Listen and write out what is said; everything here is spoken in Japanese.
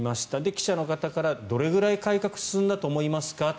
記者の方からどれぐらい改革進んだと思いますか？